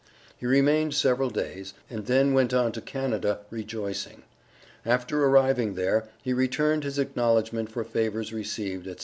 He remained several days, and then went on to Canada rejoicing. After arriving there he returned his acknowledgment for favors received, &c.